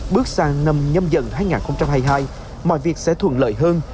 bước sang năm nhâm dần hai nghìn hai mươi hai mọi việc sẽ thuận lợi hơn